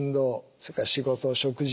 それから仕事食事